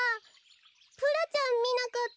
プラちゃんみなかった？